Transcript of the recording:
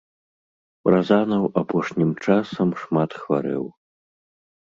Разанаў апошнім часам шмат хварэў.